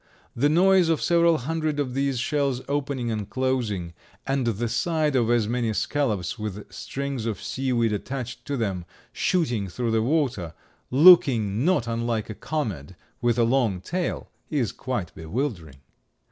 The noise of several hundred of these shells opening and closing and the sight of as many scallops with strings of sea weed attached to them, shooting through the water, looking not unlike a comet with a long tail, is quite bewildering.